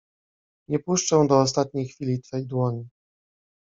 Nie puszczę do ostatniej chwili twej dłoni.